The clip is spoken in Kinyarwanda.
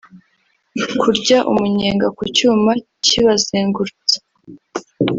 kurya umunyenga ku cyuma kibazengurutsa